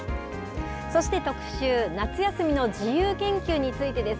そして特集、夏休みの自由研究についてです。